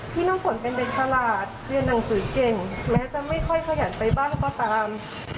พี่น้ำฝนเป็นเด็กฉลาดเรียนหนังสือเก่งแม้จะไม่ค่อยขยันไปบ้านก็ตาม